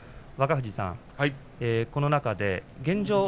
若藤さん、この中で現状